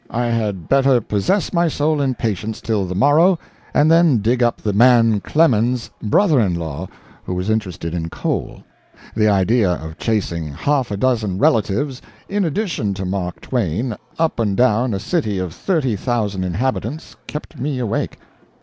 I had better possess my soul in patience till the morrow, and then dig up the "man Clemens'" brother in law, who was interested in coal. The idea of chasing half a dozen relatives in addition to Mark Twain up and down a city of thirty thousand inhabitants kept me awake.